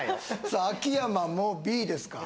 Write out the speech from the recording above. さあ秋山もＢですか？